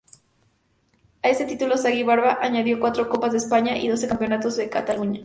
A ese título, Sagi-Barba añadió cuatro Copas de España y doce Campeonatos de Cataluña.